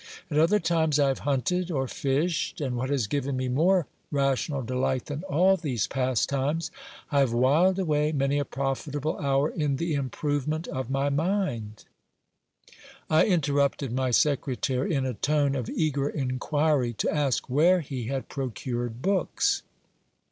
At other times I have hunted or fished ; and, what has given me more rational delight than all these pastimes, I have whiled away many a profitable hour in the improvement of my mind. I interrupted my secretary in a tone of eager inquiry, to ask where he had procured books.